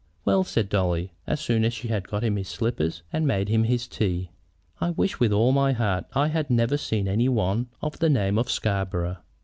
"Well?" said Dolly, as soon as she had got him his slippers and made him his tea. "I wish with all my heart I had never seen any one of the name of Scarborough!"